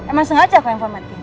emang sengaja aku informatin